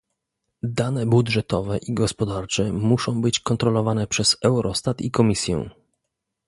Dane budżetowe i gospodarcze muszą być kontrolowane przez Eurostat i Komisję